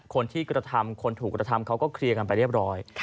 คนที่กระทำคนถูกกระทำเขาก็เคลียร์กันไปเรียบร้อย